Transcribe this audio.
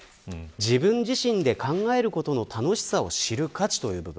自分自身で考えることの楽しさを知る価値という部分。